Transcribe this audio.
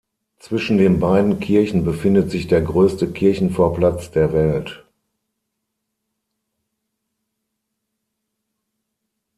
Zwischen den beiden Kirchen befindet sich der größte Kirchenvorplatz der Welt.